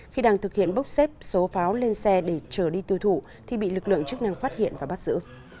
khi đang thực hiện bốc xếp số pháo lên xe để chờ đi tiêu thụ thì bị lực lượng chức năng phát hiện và bắt giữ